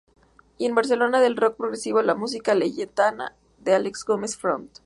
Y en "Barcelona, del rock progresivo a la música layetana", de Àlex Gómez Font.